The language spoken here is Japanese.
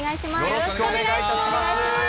よろしくお願いします。